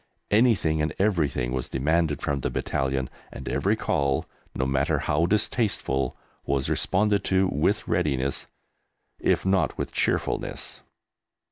Anything and everything was demanded from the battalion, and every call, no matter how distasteful, was responded to with readiness, if not with cheerfulness.